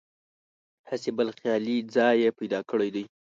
هسې بل خیالي ځای یې پیدا کړی دی.